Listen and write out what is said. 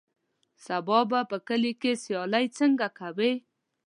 سبا به په کلي کې سیالۍ څنګه کوې.